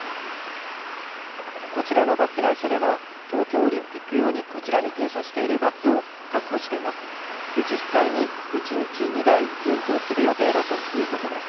こちらのバス会社では東京オリンピック用にこちらに停車しているバスを確保しています。